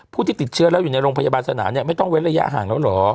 ผู้ที่ติดเชื้อแล้วอยู่ในโรงพยาบาลสนามเนี่ยไม่ต้องเว้นระยะห่างแล้วเหรอ